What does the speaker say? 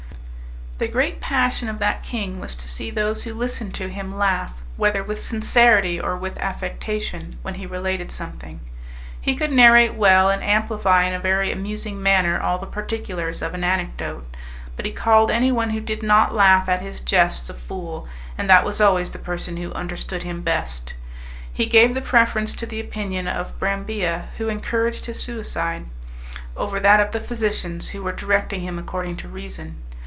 The great passion of that king was to see those who listened to him laugh, whether with sincerity or with affectation, when he related something; he could narrate well and amplify in a very amusing manner all the particulars of an anecdote; but he called anyone who did not laugh at his jests a fool, and that was always the person who understood him best. He gave the preference to the opinion of Brambilla, who encouraged his suicide, over that of the physicians who were directing him according to reason.